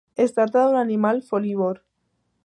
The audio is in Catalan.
Es tracta d'un animal folívor.